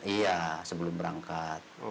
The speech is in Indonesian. iya sebelum berangkat